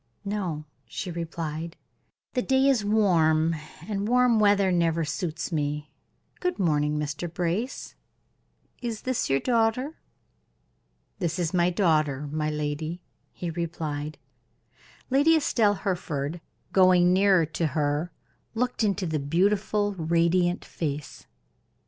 "No," she replied; "the day is warm, and warm weather never suits me. Good morning, Mr. Brace. Is this your daughter?" Mark bowed to the pale, stately lady. "This is my daughter, my lady," he replied. Lady Estelle Hereford, going nearer to her, looked into the beautiful, radiant face.